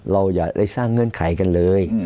อย่าได้สร้างเงื่อนไขกันเลย